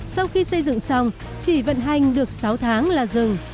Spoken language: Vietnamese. sau khi xây dựng xong chỉ vận hành được sáu tháng là rừng